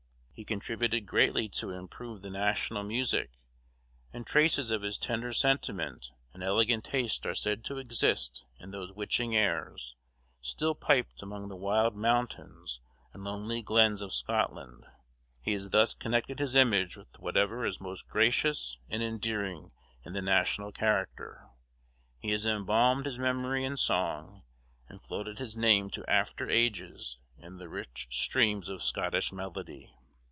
He contributed greatly to improve the national music; and traces of his tender sentiment and elegant taste are said to exist in those witching airs, still piped among the wild mountains and lonely glens of Scotland. He has thus connected his image with whatever is most gracious and endearing in the national character; he has embalmed his memory in song, and floated his name to after ages in the rich streams of Scottish melody.